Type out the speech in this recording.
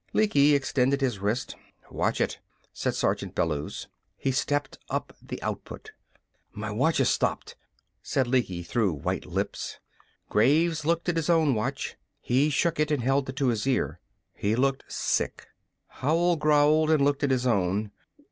Lecky extended his wrist. "Watch it," said Sergeant Bellews. He stepped up the output. "My watch has stopped," said Lecky, through white lips. Graves looked at his own watch. He shook it and held it to his ear. He looked sick. Howell growled and looked at his own.